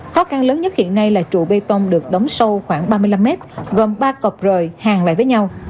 khó khăn lớn nhất hiện nay là trụ bê tông được đóng sâu khoảng ba mươi năm mét gồm ba cọc rời hàng lại với nhau